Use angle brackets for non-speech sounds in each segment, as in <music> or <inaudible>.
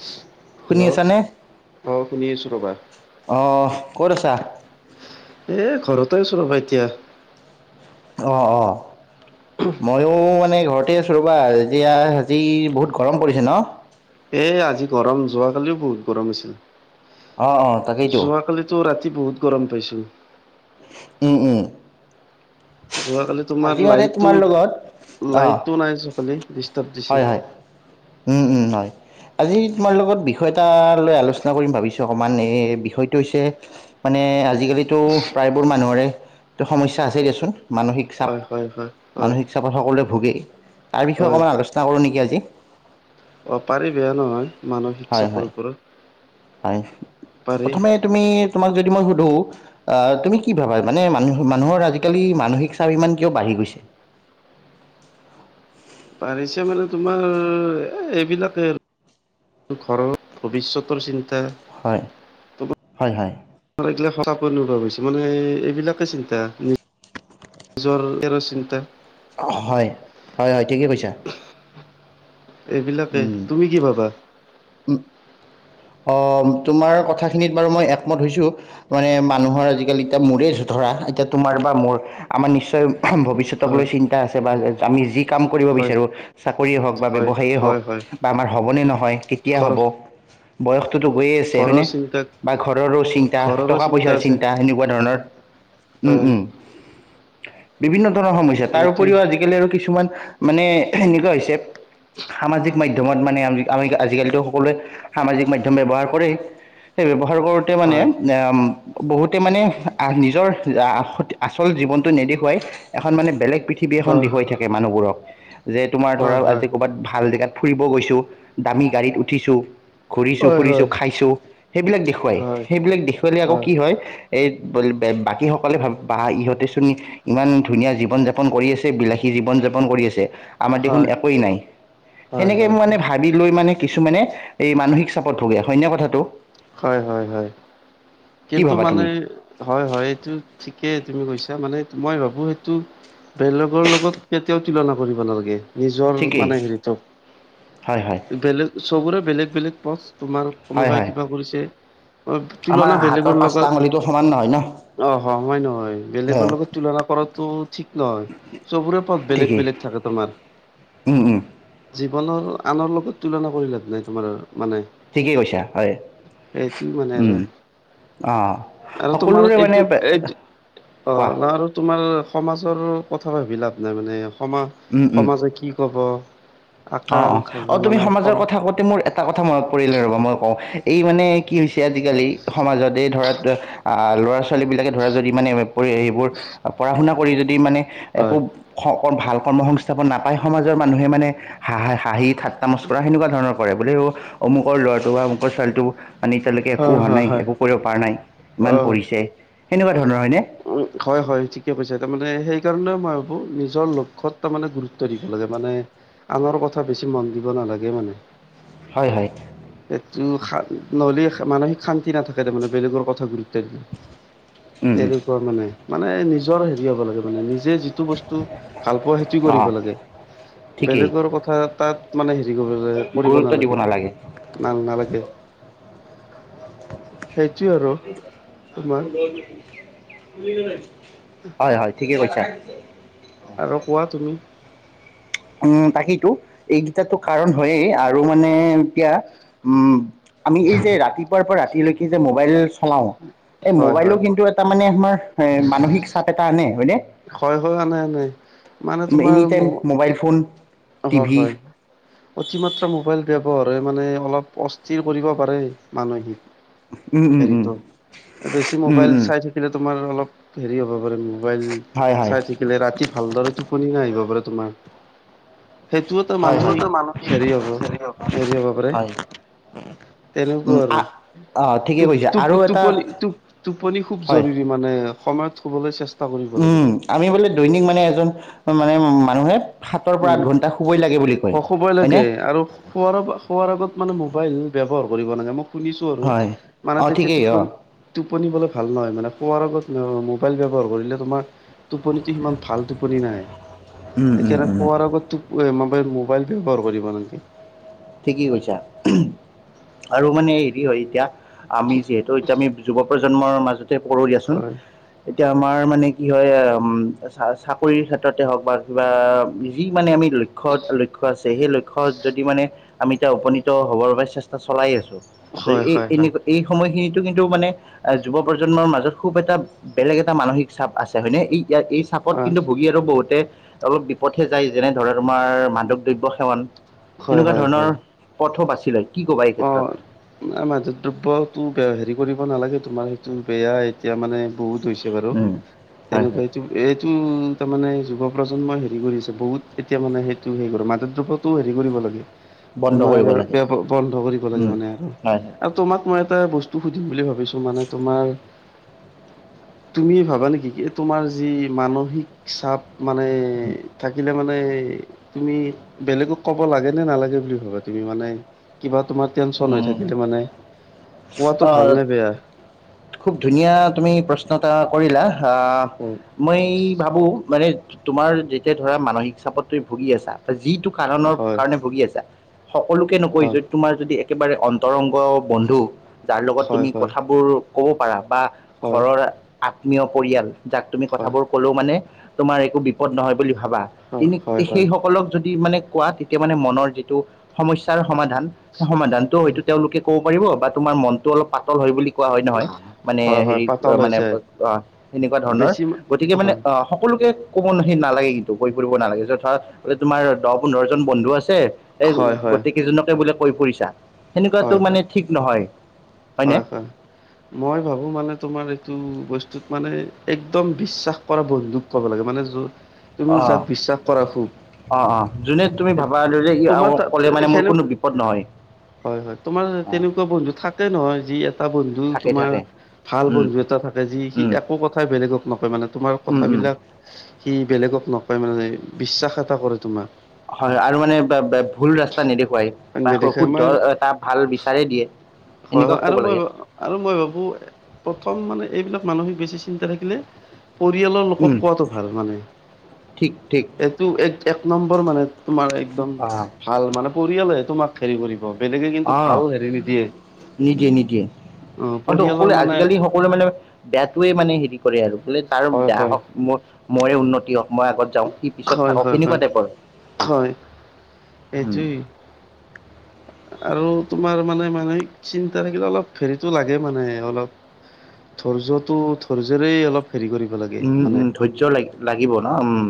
<inaudible> শুনি হেল্ল' আছা নে, অ শুনি আছো ৰ'বা। অহ ক'ত আছা? এই ঘৰতে আছোঁ ৰ'বা এতিয়া। অ', অ', মই ময়ো মানে ঘৰতে আছোঁ ৰ'বা, এতিয়া আজি বহুত গৰম পৰিছে ন! এ, আজি গৰম যোৱাকালিও বহুত গৰম আছিল। অ', অ', তাকেইতো। যোৱাকালিত ত' ৰাতি বহুত গৰম পাইছোঁ। উম, উম। যোৱাকালি আজি তোমাৰ মানে লাইটটো, তোমাৰ লগত অ', লাইটটো নাই যে ডিষ্টাৰ্ব হয়, দিছে। হয়। উম, উম, হয়। আজি তোমাৰ লগত বিষয় এটা লৈ আলোচনা কৰিম ভাবিছোঁ অকণমান এই বিষয়টো হৈছে মানে আজিকালিটো প্ৰায়বোৰ মানুহৰে টো সমস্যা আছেই দিয়াচোন। মানসিক চাপ, হয় হয় হয় হয় মানসিক চাপত সকলোৱে ভোগেই। তাৰ বিষয়ে হয় অকণমান আলোচনা কৰোঁ নেকি আজি! অ', পাৰি বেয়া নহয়, মানসিক হয়, হয়। চাপৰ হয় ওপৰত পাৰি। প্ৰথমে তুমি, তোমাক যদি মই সোধোঁ তুমি কি ভাবা মানে মানুহ, মানুহৰ আজিকালি মানসিক চাপ ইমান কিয় বাঢ়ি গৈছে? বাঢ়িছে মানে তোমাৰ এইবিলাকে আৰু ঘৰৰ ভৱিষ্যতৰ চিন্তা! হয়, হয়, হয়। এইবিলাকে চাপ অনুভৱ, মানে এইবিলাকে চিন্তা। জ্বৰ, তেৰ চিন্তা। হয়, হয়, হয়, ঠিকেই কৈছা। এইবিলাকে, উম তুমি কি ভাবা? অ', তোমাৰ কথাখিনিত বাৰু মই একমত হৈছোঁ। মানে মানুহৰ আজিকালি এতিয়া মোৰে ধৰা, এতিয়া তোমাৰ বা মোৰ আমাৰ নিশ্চয় ভৱিষ্যত হয়, লৈ চিন্তা আছে, বা আমি যি কাম কৰিব হয়, বিচাৰোঁ, চাকৰিয়ে হওঁক বা হয়, ব্যৱসায়েই হয়, হয়, হওঁক বা আমাৰ হ'বনে নহয়, কেতিয়া ঘৰ হ'ব! বয়সটোতো গৈয়ে আছে, ঘৰৰ হয়নে? চিন্তা বা ঘৰৰো চিন্তা, ঘৰৰো টকা পইচাৰ আছে চিন্তা সেনেকুৱা ধৰণৰ। উম, অ', উম। বিভিন্ন ধৰণৰ সমস্যা তাৰ সেইটোৱে উপৰিও আজি কালি আৰু কিছুমান মানে এনেকুৱা হৈছে সামাজিক মাধ্যমত মানে আ- আমি আজিকালিতো সকলোৱে সামাজিক মাধ্যম ব্যৱহাৰ কৰেই, সেই ব্যৱহাৰ কৰোঁতে মানে হয়, <unintelligible> বহুতে মানে নিজৰ আ-আচল জীৱনটো নেদেখুৱাই। এখন মানে বেলেগ পৃথিৱী এখন হয়, দেখুৱাই থাকে মানুহবোৰক যে তোমাৰ ধৰা হয়, হয়, আজি ক'ৰবাত ভাল জেগাত ফুৰিব গৈছোঁ, দামী গাড়ীত উঠিছোঁ। ঘূৰিছোঁ হয়, ফুৰিছোঁ হয়, খাইছোঁ সেইবিলাক দেখুৱাই, হয়, সেইবিলাক দেখুৱালে আকৌ কি হয় এই <unintelligible> বাকীসকলে ভাব বা ইহঁতে চোন ইমান ধুনীয়া জীৱন-যাপন কৰি আছে! বিলাসী জীৱন-যাপন কৰি আছে। আমাৰ হয়, দেখোন হয়, একোৱেই নাই! হয়, সেনেকে মোৰ মানে, ভাবি লৈ মানে, কিছুমানে এই, মানসিক চাপত ভূগে। হয়নে কথাটো? হয়, হয়, হয়। কি কিন্তু ভাবা মানে, তুমি হয়, হয়! এইটো ঠিকে তুমি কৈছা! মানে, মই ভাবোঁ সেইটো বেলেগৰ লগত, কেতিয়াও তুলনা কৰিব নালাগে। নিজৰ ঠিকেই মানে, সেৰিটো। হয় হয় বেলেগ, চবৰে বেলেগ- বেলেগ পথ। তোমাৰ, হয় কোনোবাই হয় কিবা কৰিছে। অ' তুলনা বেলেগৰ তোৰ লগত পাঁচটা আঙুলিটো সমান ন হয় ন'। অ'! হয়-হয় নহয়? বেলেগৰ লগত তুলনা কৰাটো ঠিক নহয়। চবৰে পথ, ঠিকেই বেলেগ-বেলেগ থাকে তোমাৰ। উম, উম। জীৱনৰ, আনৰ লগত তুলনা কৰি লাভ নাই, তোমাৰ মানে। ঠিকেই কৈছা, হয়! সেইটো মানে আৰু। উম, অ'! আৰু তোমাৰ, এইটো-এইটো অ'! কোৱা ন আৰু তোমাৰ, সমাজৰ কথা ভাবি লাভ নাই মানে, সমা- উম উম সমাজে কি ক'ব। অ'! আকাংক্ষা অ'! তুমি মানে সমাজৰ কম কথা কওঁতে মোৰ, এ এটা কথা মনত পৰিলে, ৰ'বা মই কওঁ! এই মানে, কি হৈছে আজিকালি, সমাজত এই ধৰা, আঁ ল'ৰা-ছোৱালীবিলাকে ধৰা যদি মানে, সেইবোৰ পঢ়া-শুনা কৰি যদি মানে, একো হয় <unintelligible> ভাল কৰ্ম সংস্থাপন নাপায়। সমাজৰ মানুহে মানে, হাঁহ-হাঁহি, ঠাট্টা-মস্কৰা, সেনেকুৱা ধৰণৰ কৰে। বোলে অ' অমুকৰ ল'ৰাটো বা অমুকৰ ছোৱালীটো মানে, এতিয়ালৈকে একো হয় হোৱা হয় নাই, হয় একো কৰিব পৰা নাই, অ ইমান পঢ়িছে! সেনেকুৱা ধৰণৰ, হয়নে? উম, হয়, হয়! ঠিকে কৈছে। তাৰমানে, সেইকাৰণে মই ভাবোঁ! নিজৰ লক্ষ্যত তাৰমানে, গুৰু ত্ব দিব লাগে। মানে, আনৰ কথা বেছি মন দিব নালাগে, মানে। হয়, হয়! এইটো, নহ'লে মানসিক শান্তি নাথাকে, তাৰমানে বেলেগৰ কথা গুৰুত্ব দিলে। তেনেকুৱা মানে! মানে, নিজৰ সেৰি হ'ব লাগে মানে, নিজে যি টো বস্তু ভাল পোৱা, সেইটো অঁ কৰিব লাগে। ঠিকেই বেলেগৰ কথা তাত মানে, সেৰি কৰি <unintelligible> কৰিব গুৰুত্ব দিব নালাগে, নাল-নালাগে। তোমাৰ <unintelligible> হয়, হয়! ঠিকে কৈছা। আৰু কোৱা তুমি? উম, তাকেইতো! এইকেইটা কাৰণ হৈয়েই। আৰু মানে এতিয়া, উম! আমি এই যে, ৰাতিপুৱাৰ পৰা ৰাতিলৈকে যে, মোবাইল চলাওঁ। এই, হয় মোবাইলো হয় কি ন্তু, এটা মানে, আমাৰ মানসিক চাপ এটা আনে, হয়নে? হয়, হয়, আনে-আনে। মানে, তোমাৰ এনি টাইম মোবাইল ফোন অ'হ' টিভি হয়। অতিমাত্ৰ মোবাইল ব্যৱহাৰে মানে, অলপ অস্থিৰ কৰিব পাৰে, মানসিক উম উম উম সেৰিটো। বেছি উম মোবাইল উম চাই থা কিলে তোমাৰ, অলপ সেৰি হ'ব পাৰে, মোবাইল হয় হয় চাই থাকিলে, ৰাতি ভালদৰে টো টোপনি নাহিব পাৰে, তোমাৰ। সেইটো এটা হয় মানসিক, সেৰি হ'ব, হয় সেৰি হ'ব পাৰে। হয় তেনেকুৱা উম আ আৰু। অ ঠিকে টোপ, কৈছে টোপ, আৰু এটা টোপনি, টোপ, টোপনি খুব হয় জৰুৰী মানে সময়ত শুবলে চেছ উম' আমি বোলে দৈনিক মানে এজন মানে মানুহে সাতৰ পৰা উম আঠ ঘণ্টা শুবই লাগে বুলি কয়, হয়নে? শুৱাৰ, শুৱাৰ আগত মানে মোবাইল ব্যৱহাৰ কৰিব নালাগে, মোক শুনিছো আৰু, হয় মানে অ তেতিয়া ঠিকেই অ টোপনি টোপনি বোলে ভাল নহয়, মানে শুৱাৰ আগত মোবাইল ব্যৱহাৰ কৰিলে তোমাৰ টোপনিটো সিমান ভাল টোপনি নাহে, উম উম সেইকাৰণ উম <unintelligible> মোবাইল, মোবাইল ব্যৱহাৰ কৰিব নালাগে। ঠিকেই কৈছা, আৰু মানে হেৰি হয় এতিয়া আমি যিহেতু এতিয়া আমি যুৱ প্ৰজন্মৰ মাজতে পৰো দিয়াচোন। হয়। এতিয়া আমাৰ মানে কি হয়, চাকৰিৰ ক্ষেত্ৰতে হওঁক বা কিবা যি মানে আমি লক্ষ্যত লক্ষ্য আছে, সেই লক্ষ্যত যদি মানে আমি এতিয়া উপনীত হ'বৰ বাবে চেষ্টা চলাই আছোঁ। হয় এই হয় এই হয়। এই সময়খিনিতো কিন্তু মানে যুৱ প্ৰজন্মৰ মাজত খুব এটা বেলেগ এটা মানসিক চাপ আছে হয়নে, এই ইয়াত এই চাপত অ' কিন্তু ভুগী আৰু বহুতে অলপ বিপথে যায়, যেনে ধৰা তোমাৰ মাদক দ্ৰব্য সেৱন। হয় সেনেকুৱা হয় ধৰণৰ হয় পথো বাছি লয়, কি ক'বা এই ক্ষেত্ৰত? না মাদক দ্ৰব্যতো হেৰি কৰিব নালাগে, তোমাৰ সেইটো বেয়া এতিয়া মানে বহুত হৈছে। বাৰু, উম হয় হয় তেনেকুৱাইটো। এইটো তাৰমানে যুৱ প্ৰজন্মই হেৰি কৰিছে বহুত এতিয়া মানে সেইটো হে কৰে, মাদদ্ৰৱ্যক টো হেৰি কৰিব লাগে, বন্ধ কৰিব তোমাৰ লাগে ব্যৱ বন্ধ কৰিব লাগে উম মানে। আৰু। হয়। আৰু তোমাক মই এটা বস্তু সুধিম বুলি ভাবিছো, মানে তোমাৰ তুমি ভাবা নেকি, কি তোমাৰ যি মানসিক চাপ মানে উম থাকিলে মানে তুমি বেলেগক ক'ব লাগে নে নালাগে বুলি ভাবা? তুমি মানে কিবা তোমাৰ টেনচন হৈ থাক উম। কিন্তু মানে, পোৱাটো ভাল আহ, নে বেয়া? খুব ধুনীয়া তুমি প্ৰশ্ন এটা কৰিলা, আহ উম'। মই ভাবো মানে তোমাৰ যেতিয়া ধৰা মানসিক চাপত তুমি ভুগি আছা, যিটো কাৰণৰ হয় কাৰণে ভুগি আছা, সকলোকে নকয় হয় যদি তোমাৰ যদি একেবাৰে অন্তৰংগ বন্ধু, যাৰ লগত হয় তুমি হয় কথাবোৰ কব পাৰা। বা হয় ঘৰৰ আত্মীয় পৰিয়াল, যাক তুমি হয় হয় কথাবোৰ। কলেও মানে তোমাৰ একো বিপদ নহয় বুলি ভাবা, কিনো হয় হয় সেইসকলক যদি মানে কোৱা তে মানে মনৰ যিটো সমস্যাৰ সমাধান, সেই সমাধানটো হয়তো তেওঁলোকে ক'ব পাৰিব, বা তোমাৰ মনটো অলপ পাতল হয় বুলি কোৱা হয় নহয়। মানে হয় হয় হেৰি পাতল হৈ মানে যায় অ' সেনেকুৱা ধৰণৰ, বেছি মা- গতিকে মানে হয় অ' সকলোকে ক'ব ন সেই নালাগে কিন্তু, কৈ ফুৰিব নালাগে যথা বোলে তোমাৰ দহ পোন্ধৰ জন বন্ধু আছে। এই হয় হয় গোটেইকেইজনকে বোলে কৈ ফুৰিছা, হয় সেনেকুৱাতো হয় মানে ঠিক নহয়, হয়নে? হয় হয় মই ভাবো মানে তোমাৰ এইটো বস্তুত মানে, একদম বিশ্বাস কৰা বন্ধুক ক'ব লাগে, মানে যোন অ' অ' অ' যোনে তুমি ভাবা ধৰি লওঁ, তোমাৰ ই তাত কলে মানে মোৰ সেনে কোনো বিপদ নহয়। হয়, হয়, তোমাৰ অঁ তেনেকুৱা বন্ধু থাকে নহয়, যি এটা বন্ধু থাকে থাকে তোমাৰ ভাল উম বন্ধু এটা থাকে, যি সি উম একো কথাই বেলেগক নকয়, মানে তোমাৰ উম উম কথাবিলাক সি বেলেগক নকয় মানে বিশ্বাস এটা কৰে তোমাক। হয় হয় আৰু মানে বা বা ভুল ৰাস্তা নেদেখুৱাই। হয় বা নেদেখে শুদ্ধ মই এটা ভাল বিচাৰেেই দিয়ে হয় এনেকুৱা হয় ক'ব আৰু মই লাগে। আৰু মই ভাবোঁ প্ৰথম মানে এইবিলাক মানসিক বেছি চিন্তা থাকিলে। পৰিয়ালৰ লোকক উম কোৱাটো ভাল মানে ঠিক ঠিক এ টো এক এক নম্বৰ মানে তোমাৰ একদম অঁ ভাল মানে পৰিয়ালে তোমাক হেৰি কৰিব। বেলেকে কিন্তু অঁ ভাল হেৰি নিদিয়ে নিদিয়ে নিদিয়ে অ' পৰিয়ালৰ মানে। সকলো মানে বেয়াটোৱে মানে হেৰি কৰে আৰু বোলে তাৰ হয় বেয়া হয় হওক মোৰ মৰে উন্নতি হওক, মই আগত যাওঁ, সি পিছত হয়, থাকক হয়, সেনেকুৱা হয়, টাইপৰ হয়, উম'। এইটোৱেই। আৰু তোমাৰ মানে মানে চিন্তা থাকিলে অলপ হেৰিতটো লাগে মানে অলপ। ধৈৰ্যটো ধৈৰ্যৰেই অলপ হেৰি কৰিব লাগ উম' উম' ধৈৰ্য্য লা লাগিব ন উম'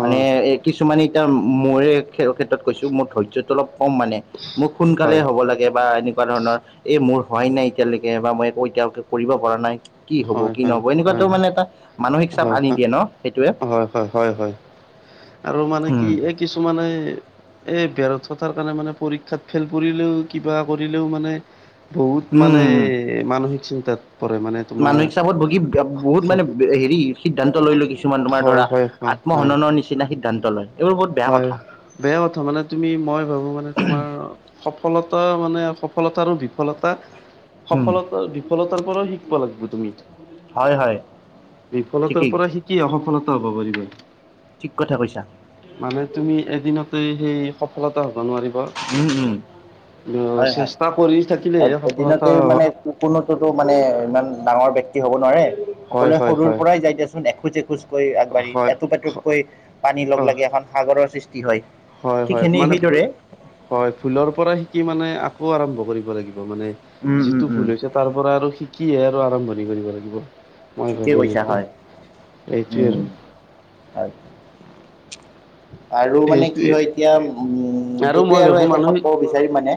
মানে অ', এ কিছুমানে এতিয়া মোৰে খেৰ ক্ষেত্ৰত কৈছোঁ মোৰ ধৈৰ্য্যৰটো অলপ কম মানে মোৰ সোনকালে হয়। হ'ব লা বা এনেকুৱা ধৰণৰ এই মোৰ হোৱাই নাই এতিয়ালৈকে বা মই একো এতিয়ালৈকে কৰিব পৰা নাই। কি হব হয়, কি হয়, নহব এনেকুৱাতো হয়, হয়, মানে এটা মানসিক চাপ হয়, আনি দিয়ে ন সেইটোৱে <inaudible> হয়, হয়, হয় আৰু মানে উম কি। কিছুমানে এ বেৰত থকাৰ কাৰণে মানে পৰীক্ষাত ফেইল কৰিলেও কিবা কৰিলেও মানে। বহুত মানে উম মানসিক চিন্তাত পৰে মানে তোমাৰ মানসিক চাপত ভুগি বহুত মানে হেৰি সিদ্ধান্ত লৈ লয় কিছুমান তোমাৰ হয়, ধৰা হয়, হয়, হয়। আত্মহননৰ নিচিনা সিদ্ধান্ত লয়। এইবোৰ বহুত বেয়া হয়, কথা বেয়া কথা মানে তুমি মই ভাবোঁ মানে তোমাৰ। সফলতা মানে সফলতা আৰু বিফলতা। উম সফলত বিফলতাৰ পৰাও শিকিব লাগিব তুমি। হয় হয় বিফলতাৰ ঠিকেই পৰা শিকি সফলতা হ'ব পাৰিবা ত ঠিক কথা কৈছা। মানে তুমি এদিনতে সেই সফলতা হ'ব নোৱাৰি উম উম হয় <inaudible> হয় চেষ্টা কৰি থাকিলে সফলতা স কোকোনটোটো মানে ইমান ডাঙৰ বক্তি হব নোৱাৰে। হয় সকলোৱে হয় সৰুৰ হয় পৰাই যায় দিয়াচোন এখোজ এখোজকৈ আগবাঢ়ি হয় এটুপ এটুপকৈ পানী লগ অ লাগি এখন সাগৰৰ সৃষ্টি হয়। হয় ঠিক হয় সেনে মানে সেইদৰে <inaudible> হয় ভুলৰ পৰা শিকি মানে আকৌ' আৰম্ভ কৰিব লাগিব মানে উম উম যিটো উম ভুল হৈছে। তাৰ পৰা আৰু শিকিহে আৰু আৰম্ভণি কৰিব লাগিব। মই ঠিকেই ভাবোঁ যি কৈছা হয় <inaudible> এইটোৱে উম আৰু। হয়। আৰু মানে কি এইটোৱে হয় এতিয়া উম' মই সেইটোৱে আৰু ভাবো শেষত মানসিক কব বিচাৰিম মানে।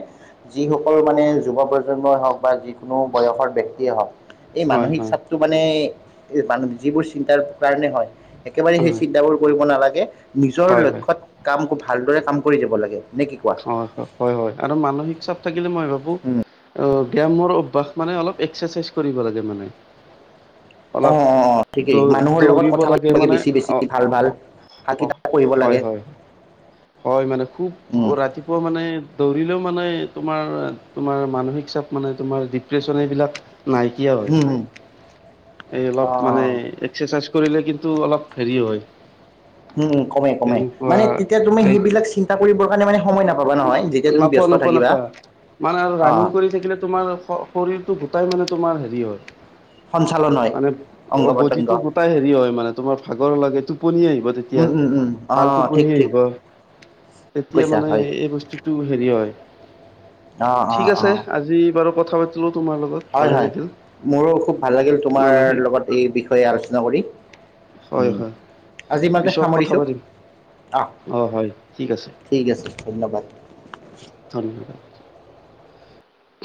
যিসকল মানে যুৱ প্ৰজন্মই হওক বা যি কোনো বয়সৰ ব্যক্তিয়ে হওক এই হয় মানসিক হয় ছা টো মানে মান যিবোৰ চিন্তাৰ কাৰণে হয় একেবাৰে সেই হয় চিন্তাবোৰ কৰিব নালাগে। নিজৰ হয় লক্ষ্যত কাম ভালদৰে কাম কৰি যাব লাগে নে কি কোৱা। হয় হয় হয় হয় আৰু মানসিক চাপ থাকিলে মই ভাবোঁ। অ' ব্যায়ামৰ অভ্যাস মানে অলপ এক্সাৰচাইজ কৰিব লাগে মানে। অ অলপ অ অ ঠিকেই দৌ মানুহৰ লগত দৌৰিব কথা লাগে পাতিবাগে মানে বেছি বেছি অ ভাল ভাল। ভাল কিতাপ পঢ়িব হয় লাগে। হয় হয়, মানে খুব উম ৰাতি পুৱা মানে দৌৰিলেও মানে তোমাৰ তোমাৰ মানসিক চাপ মানে তোমাৰ ডিপ্ৰেশ্যন এইবিলাক নাইকিয়া হয়, হম হম এই অলপ মানে অ এক্সাৰচাইজ কৰিলে কিন্তু অলপ হেৰি হয়। উম, উম, ক'মে ক'মে তেনেকুৱা মানে তেতিয়া তুমি এই সেইবিলাক চি ন্তা কৰিবৰ কাৰণে মানে সময় নাপাবা নহয় যেতিয়া তুমি নাপোৱা ব্যস্ত নাপোৱা থাকিবা। নাপোৱা মানে আৰু অ ৰানিং কৰি থাকিলে তোমাৰ শৰীৰটো গোটাই মানে তোমাৰ হেৰি হয়। সঞ্চালন হয় মানে অংগ অ', পতংগ বডিটো গোটাই হেৰি হয়, মানে তোমাৰ ভাগৰ লাগে টোপনি আহিব তেতি উম, উম, উম, অ', ঠিক ঠিক। তেতিয়া কৈছা মানে হয় এই বস্তুটো হেৰি হয়, অ অ ঠিক অ আছে, আজি বাৰু কথা পাতিলোঁ তোমাৰ লগত। হয়, ভালে হয়, লাগিল মোৰো খুব ভাল লাগিল তোমাৰ মানসিক লগত এই বিষয়ে আলোচনা কৰি। হয় উম, হয় আজি ইমানতে পিছত কথা সামৰিছো পাতিম অ'। হয় ঠিক আছে ঠিক আছে ধন্যবাদ। ধন্যবাদ।